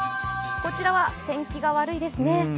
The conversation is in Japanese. こちらは天気が悪いですね。